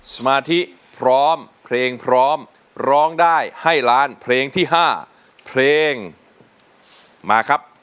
สมาธิพร้อมเพลงพร้อมร้องได้ให้ล้านเพลงที่๕เพลงมาครับ